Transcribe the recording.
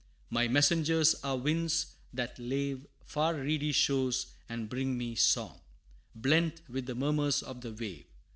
My messengers are winds that lave Far reedy shores, and bring me song, Blent with the murmurs of the wave.